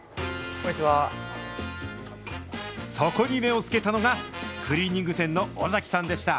そこに目をつけたのが、クリーニング店の尾崎さんでした。